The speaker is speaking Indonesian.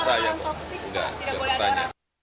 tidak boleh ada orang